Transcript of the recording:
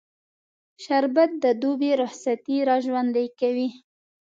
شربت د دوبی رخصتي راژوندي کوي